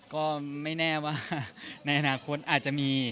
ก็ไม่แน่ว่าในอนาคตอาจจะมี